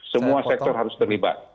semua sektor harus terlibat